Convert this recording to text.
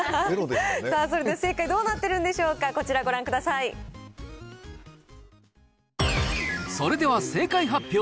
それでは正解、どうなってるんでしょうか、こちらご覧くださそれでは正解発表。